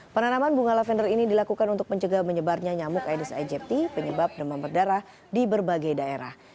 penanaman bunga lavender ini dilakukan untuk mencegah menyebarnya nyamuk aedes aegypti penyebab demam berdarah di berbagai daerah